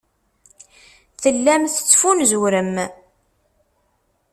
Tellam tettfunzurem.